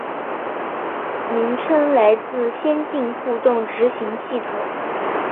名称来自先进互动执行系统。